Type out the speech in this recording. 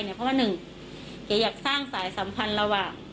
เพราะว่าหนึ่งเก๋อยากสร้างสายสัมพันธ์ระหว่าง